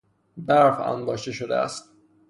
برف انباشته شده است.